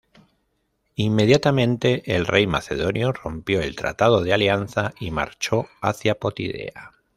Inmediatamente, el rey macedonio rompió el tratado de alianza y marchó hacia Potidea.